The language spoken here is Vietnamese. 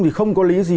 thì không có lý gì